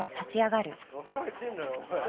腹減ってんだよ。